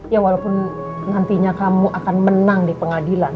ya walaupun nantinya kamu akan menang di pengadilan